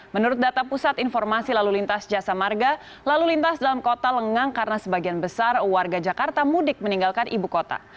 menurut data pusat informasi lalu lintas jasa marga lalu lintas dalam kota lengang karena sebagian besar warga jakarta mudik meninggalkan ibu kota